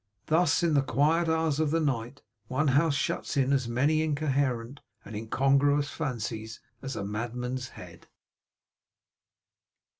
Thus in the quiet hours of the night, one house shuts in as many incoherent and incongruous fancies as a madman's head.